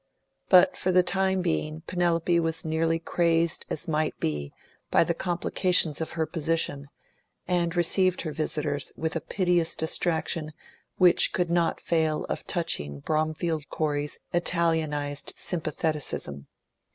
But for the time being Penelope was as nearly crazed as might be by the complications of her position, and received her visitors with a piteous distraction which could not fail of touching Bromfield Corey's Italianised sympatheticism.